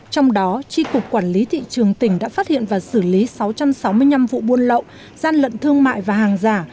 trong đó tri cục quản lý thị trường tỉnh đã phát hiện và xử lý sáu trăm sáu mươi năm vụ buôn lậu gian lận thương mại và hàng giả